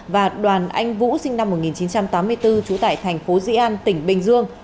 và đoàn anh vũ sinh năm một nghìn chín trăm tám mươi bốn trú tại tp di an tỉnh bình dương